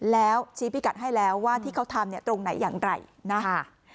แล้วชี้พิกัดให้แล้วว่าที่เขาทำเนี่ยตรงไหนอย่างไรนะคะ